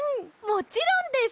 もちろんです！